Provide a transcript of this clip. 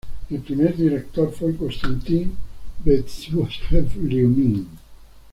El primer director fue Konstantín Bestúzhev-Riumin.